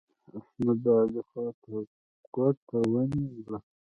احمد؛ د علي خوا ته ګوته ونيول.